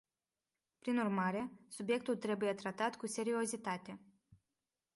Prin urmare, subiectul trebuie tratat cu seriozitate.